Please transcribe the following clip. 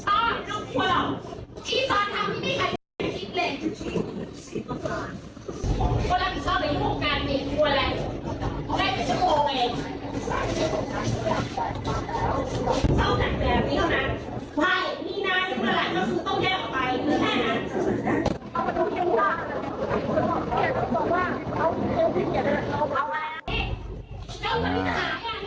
พี่สอนพี่สอนเป็นผู้หญิงงานมีครัวแหละ